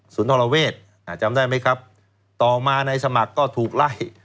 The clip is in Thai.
ธรเวศจำได้ไหมครับต่อมานายสมัครก็ถูกไล่